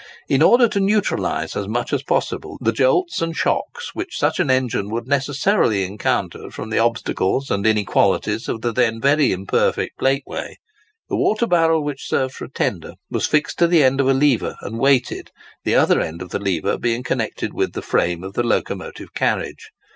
In order to neutralise as much as possible the jolts and shocks which such an engine would necessarily encounter from the obstacles and inequalities of the then very imperfect plateway, the water barrel which served for a tender was fixed to the end of a lever and weighted, the other end of the lever being connected with the frame of the locomotive carriage.